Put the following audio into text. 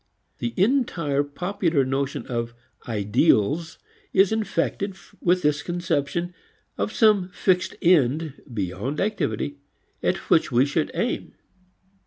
The entire popular notion of "ideals" is infected with this conception of some fixed end beyond activity at which we should aim.